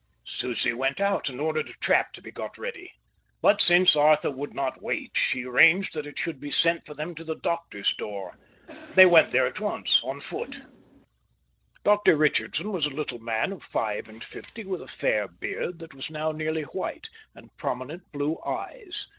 Susie went out and ordered a trap to be got ready. But since Arthur would not wait, she arranged that it should be sent for them to the doctor's door. They went there at once, on foot. Dr Richardson was a little man of five and fifty, with a fair beard that was now nearly white, and prominent blue eyes.